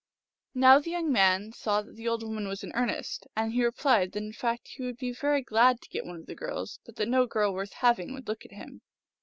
Now the young man saw that the old woman was in earnest, and he replied that in fact he would be very glad to get one of the girls, but that no girl worth having would look at him.